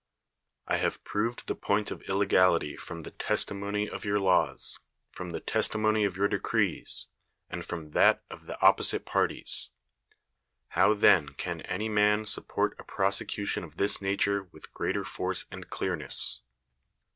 '' I have proved the point of illegalitv' from the testimony of your laws, from the testimony of your decrees, and from that of the opposite parties. How then can any man support a prosecution of this nature with greater force and clearness?